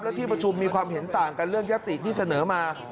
และที่ประชุมมีความเห็นต่างกันเรื่องยัตติที่เสนอมา